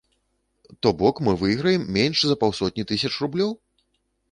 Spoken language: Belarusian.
То бок мы выйграем менш за паўсотні тысяч рублёў?!